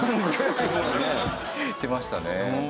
言ってましたね。